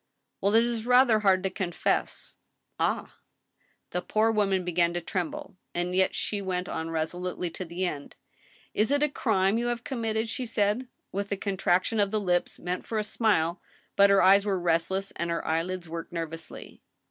" Well, it is rather hard to confess." "Ah!" AN ILLUMINATION. 165 The poor woman began to tremble. And yet she went on reso lutely to the end :" Is it a crime you have committed ?" she said, with a contrac tion of the lips meant for a smile, but her eyes were restless and her eyelids worked nervously.